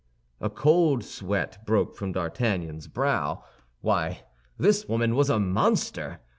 A cold sweat broke from D'Artagnan's brow. Why, this woman was a monster!